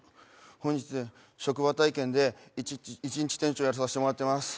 本日、職場体験で一日店長やらさせてもらっています。